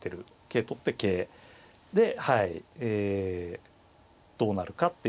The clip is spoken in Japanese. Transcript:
桂取って桂でどうなるかって。